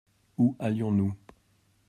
Où allions-nous ?